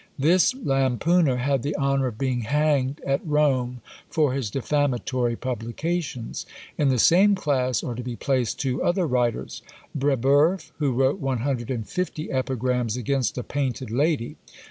This lampooner had the honour of being hanged at Rome for his defamatory publications. In the same class are to be placed two other writers. Brebeuf, who wrote one hundred and fifty epigrams against a painted lady.